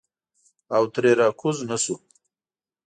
او ترې راکوز نه شو.